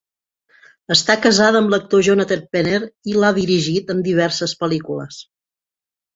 Està casada amb l'actor Jonathan Penner i l'ha dirigit en diverses pel·lícules.